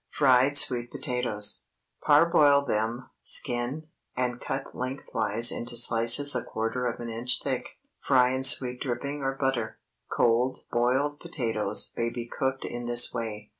FRIED SWEET POTATOES ✠ Parboil them, skin, and cut lengthwise into slices a quarter of an inch thick. Fry in sweet dripping or butter. Cold boiled potatoes may be cooked in this way.